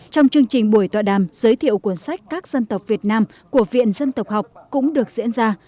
trong chương trình buổi tọa đàm giới thiệu cuốn sách các dân tộc việt nam của viện dân tộc học cũng được diễn ra